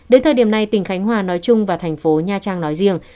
đến thời điểm này tỉnh khánh hòa nói chung và thành phố nha trang nói riêng